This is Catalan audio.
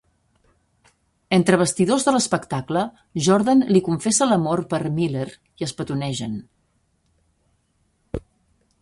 Entre bastidors de l'espectacle, Jordan li confessa l'amor per Miller i es petonegen.